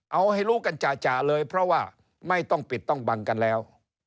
เอาให้รู้กันจ่ะเลยเพราะว่าไม่ต้องปิดต้องบังกันแล้ว